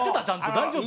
大丈夫？